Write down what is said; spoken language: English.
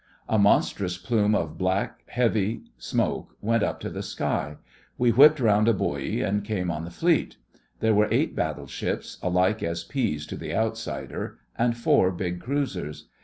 A monstrous plume of black, heavy smoke went up to the sky. We whipped round a buoy and came on the Fleet. There were eight battleships alike as peas to the outsider; and four big cruisers.